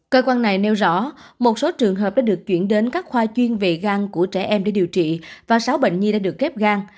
cơ quan này nêu rõ một số trường hợp đã được chuyển đến các khoa chuyên về gan của trẻ em để điều trị và sáu bệnh nhi đã được ghép gan